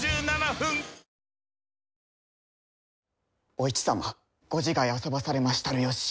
お市様ご自害あそばされましたる由。